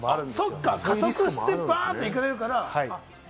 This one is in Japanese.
そうか、加速してバン！といかれるから。